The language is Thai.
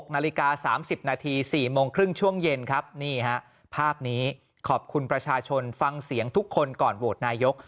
นาฬิกา๓๐นาที๔โมงครึ่งช่วงเย็นครับนี่ฮะภาพนี้ขอบคุณประชาชนฟังเสียงทุกคนก่อนโหวตนายก